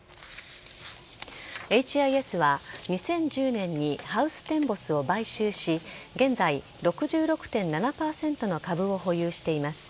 エイチ・アイ・エスは２０１０年にハウステンボスを買収し現在、６６．７％の株を保有しています。